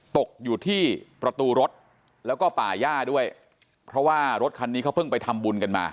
ตกอยู่ที่ประตูรถแล้วก็ป่าย่าด้วยเพราะว่ารถคันนี้เขาเพิ่งไปทำบุญกันมา